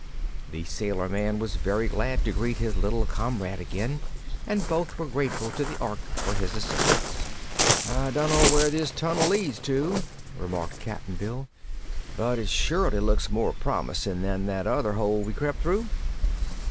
The sailor man was very glad to greet his little comrade again and both were grateful to the Ork for his assistance. "I dunno where this tunnel leads to," remarked Cap'n Bill, "but it surely looks more promisin' than that other hole we crept through."